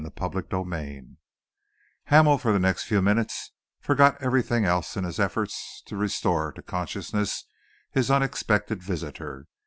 CHAPTER XXXII Hamel, for the next few minutes, forgot everything else in his efforts to restore to consciousness his unexpected visitor.